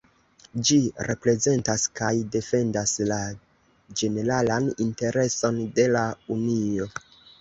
Ĝi reprezentas kaj defendas la ĝeneralan intereson de la Unio.